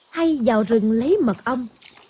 hay vào rừng lấy mật ong